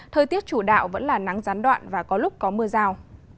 thời tiết chủ đạo vẫn là nắng gián đoạn và có lúc có mưa rào